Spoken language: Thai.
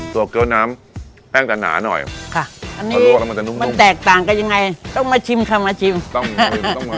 ส่วนเกลือน้ำแป้งจะหนาหน่อยอันนี้มันแตกต่างกันยังไงต้องมาชิมค่ะต้องมา